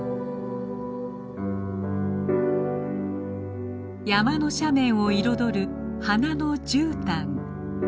山の斜面を彩る花のじゅうたん。